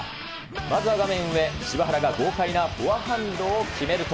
まずは画面上、柴原が豪快なフォアハンドを決めると。